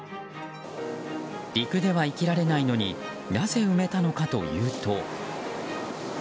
陸では生きられないのになぜ埋めたのかというと。